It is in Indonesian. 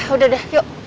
udah udah yuk